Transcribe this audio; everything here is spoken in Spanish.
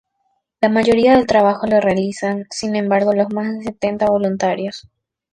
La mayoría del trabajo lo realizan sin embargo los más de setenta voluntarios.